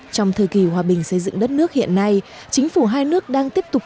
trong thời kỳ hòa bình xây dựng đất nước hiện nay chính phủ hai nước đang tiếp tục